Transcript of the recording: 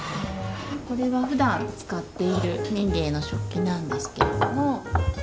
これはふだん使っている民藝の食器なんですけれども。